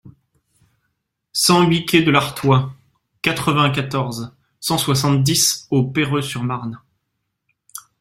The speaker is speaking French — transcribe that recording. cent huit quai de l'Artois, quatre-vingt-quatorze, cent soixante-dix au Perreux-sur-Marne